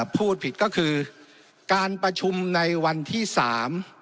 พูดผิดก็คือการประชุมในวันที่สาม